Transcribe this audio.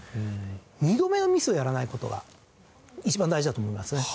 ２度目のミスをやらない事が一番大事だと思いますね。